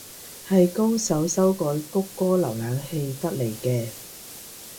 係高手修改谷歌瀏覽器得嚟嘅